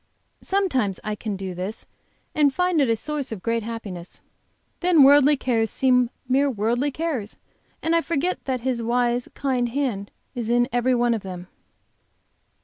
Sometimes I can do this and find it a source of great happiness. Then worldly cares seem mere worldly cares, and I forget that His wise, kind hand is in every one of them.